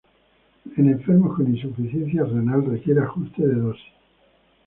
En enfermos con insuficiencia renal requiere ajuste de dosis.